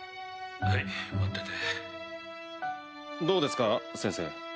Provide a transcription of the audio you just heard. どうですか先生？